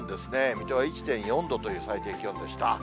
水戸は１．４度という最低気温でした。